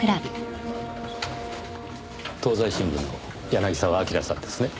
東西新聞の柳沢晃さんですね？